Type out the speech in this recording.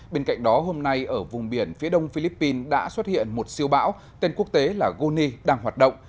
bên cạnh đó hôm nay ở vùng biển phía đông philippines đã xuất hiện một siêu bão tên quốc tế là goni đang hoạt động